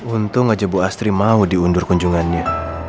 untung aja bu astri mau diundur kunjungannya